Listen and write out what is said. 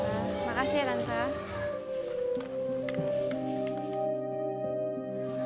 terima kasih tante